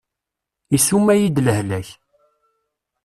Isuma-yi-d lehlak.